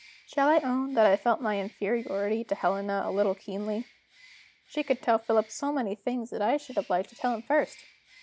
Shall I own that I felt my inferiority to Helena a little keenly? She could tell Philip so many things that I should have liked to tell him first.